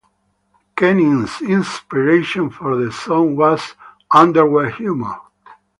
Kenny's inspiration for the song was "underwear humor".